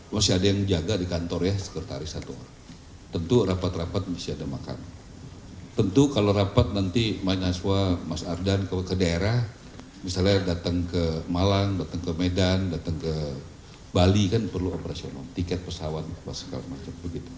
misalnya datang ke malang datang ke medan datang ke bali kan perlu operasional tiket pesawat segala macam